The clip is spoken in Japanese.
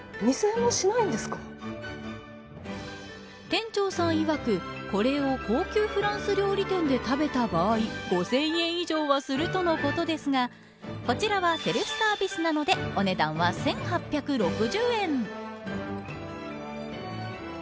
店長さんいわくこれを高級フランス料理店で食べた場合５０００円以上はするとのことですがこちらはセルフサービスなのでお値段は１８６０円。